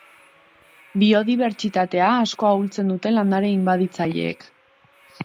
Biodibertsitatea asko ahultzen dute landare inbaditzaileek.